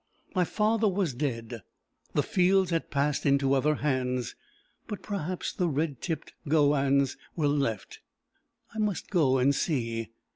My father was dead; the fields had passed into other hands; but perhaps the red tipped gowans were left. I must go and see.